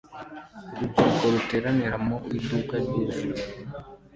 Urubyiruko ruteranira mu iduka ryuzuye